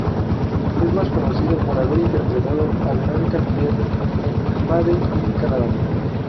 Es más conocida por haber interpretado a Verónica Miller en "Made in Canada".